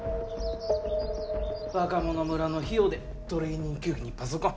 若者村の費用でトレーニング器具にパソコン